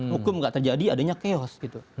hukum tidak terjadi adanya chaos